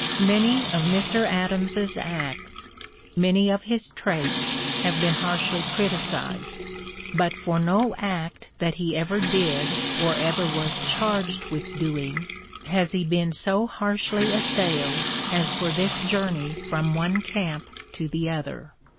Many of Mr. Adams's acts, many of his traits, have been harshly criticised, but for no act that he ever did or ever was charged with doing has he been so harshly assailed as for this (p. 058) journey from one camp to the other.